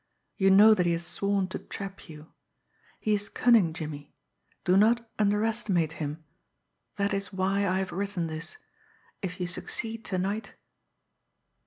You know that he has sworn to trap you. He is cunning, Jimmie do not underestimate him. That is why I have written this if you succeed to night